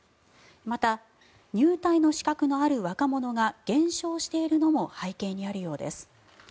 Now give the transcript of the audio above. また、入隊の資格のある若者が減少しているのも背景にあるようです。